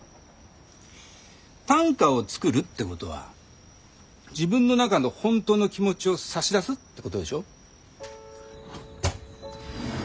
短歌を作るってことは自分の中の本当の気持ちを差し出すってことでしょ。